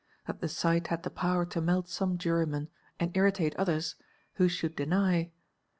That the sight had the power to melt some jurymen and irritate others, who should deny?